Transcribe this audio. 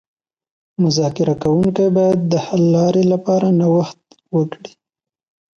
مذاکره کوونکي باید د حل لارې لپاره نوښت وکړي